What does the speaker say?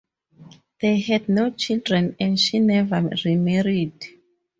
They had no children and she never remarried.